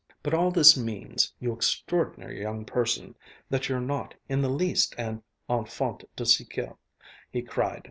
"But all this means, you extraordinary young person, that you're not in the least an enfant du siècle!" he cried.